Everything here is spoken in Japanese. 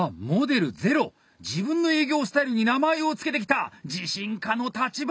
自分の営業スタイルに名前を付けてきた自信家の橘！